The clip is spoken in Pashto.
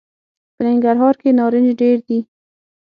په ننګرهار کي نارنج ډېر دي .